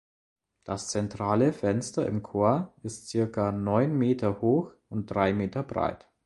Das zentrale Fenster im Chor ist circa neun Meter hoch und drei Meter breit.